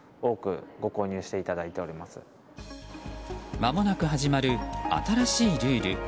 まもなく始まる新しいルール。